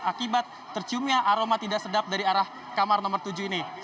akibat terciumnya aroma tidak sedap dari arah kamar nomor tujuh ini